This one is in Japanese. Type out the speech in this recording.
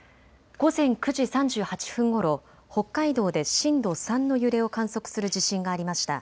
午前９時３８分ごろ北海道で震度３の揺れを観測する地震がありました。